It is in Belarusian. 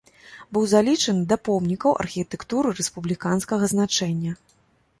Быў залічаны да помнікаў архітэктуры рэспубліканскага значэння.